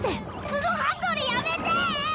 角ハンドルやめて！